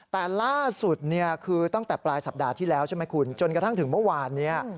แต่ล่าสุดเนี่ยคือตั้งแต่ปลายสัปดาห์ที่แล้วใช่ไหมคุณจนกระทั่งถึงเมื่อวานนี้